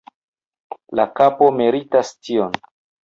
La kapo meritis tion.